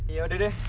ya udah deh